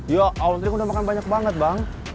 ya awal tadi aku udah makan banyak banget bang